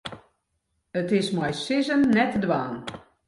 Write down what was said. It is mei sizzen net te dwaan.